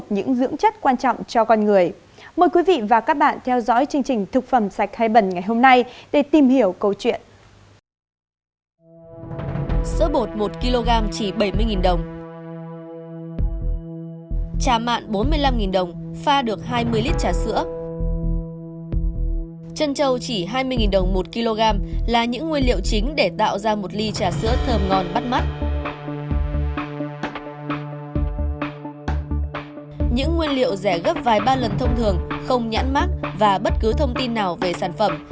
những nguyên liệu rẻ gấp vài ba lần thông thường không nhãn mắc và bất cứ thông tin nào về sản phẩm